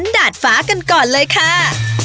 ดาดฟ้ากันก่อนเลยค่ะ